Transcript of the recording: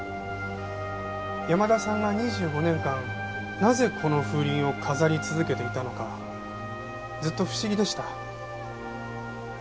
山田さんが２５年間なぜこの風鈴を飾り続けていたのかずっと不思議でした。